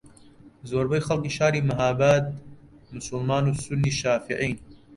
زۆربەی خەڵکی شاری مەھاباد موسڵمان و سوننی شافعیین